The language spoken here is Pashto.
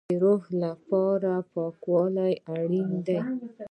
د روح لپاره پاکوالی اړین دی